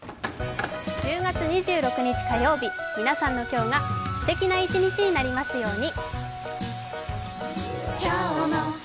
１０月２６日火曜日、皆さんの今日が素敵な１日になりますように。